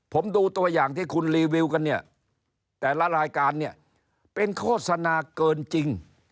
ผมดูตัวอย่างที่คุณรีวิวกันเนี่ยแต่ละรายการเนี่ยเป็นโฆษณาเกินจริง